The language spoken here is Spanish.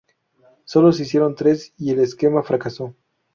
Solo se hicieron tres y el esquema fracasó.